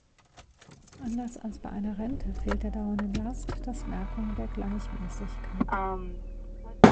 Anders als bei einer Rente fehlt der dauernden Last das Merkmal der Gleichmäßigkeit.